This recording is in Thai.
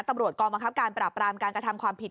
ตำรวจกองบังคับการปราบรามการกระทำความผิด